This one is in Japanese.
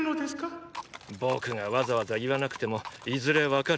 僕がわざわざ言わなくてもいずれわかる。